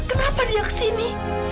kenapa dia ke sini